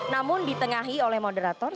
namun ditengahi oleh moderator